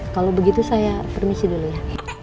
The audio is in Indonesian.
kalau begitu saya permisi dulu ya